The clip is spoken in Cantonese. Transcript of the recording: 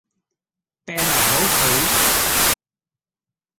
柄埋喺屋企